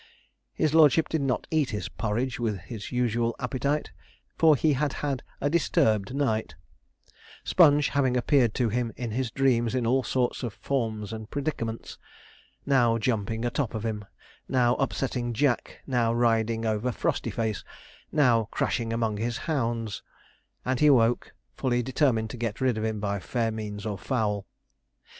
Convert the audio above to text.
His lordship did not eat his porridge with his usual appetite, for he had had a disturbed night, Sponge having appeared to him in his dreams in all sorts of forms and predicaments; now jumping a top of him now upsetting Jack now riding over Frostyface now crashing among his hounds; and he awoke, fully determined to get rid of him by fair means or foul.